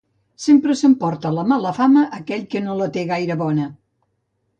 Sempre s'emporta la mala fama aquell que no la té gaire bona.